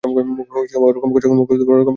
মুখ ওরকম করছো কেন?